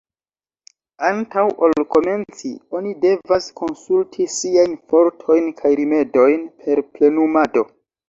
Antaŭ ol komenci, oni devas konsulti siajn fortojn kaj rimedojn por plenumado.